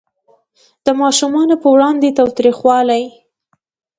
د ماشومانو په وړاندې تاوتریخوالی